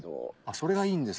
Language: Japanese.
それがいいんですか？